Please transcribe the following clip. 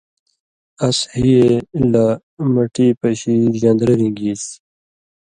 اَس ہی اْے لہ مٹی پشی ژن٘درہ رِن٘گیسیۡ